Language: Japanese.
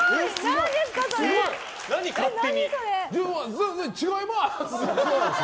全然違います！